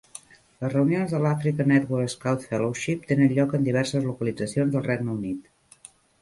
Les reunions de l'Africa Network Scout Fellowship tenen lloc en diverses localitzacions del Regne Unit.